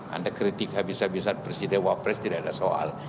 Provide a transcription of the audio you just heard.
anda kritik habis habisan presiden wapres tidak ada soal